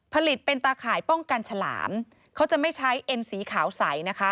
ผลิตเป็นตาข่ายป้องกันฉลามเขาจะไม่ใช้เอ็นสีขาวใสนะคะ